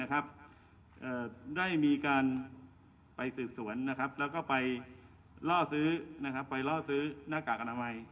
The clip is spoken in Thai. ได้มีการไปสืบสวนแล้วก็ไปล่อซื้อหน้ากากอนามัย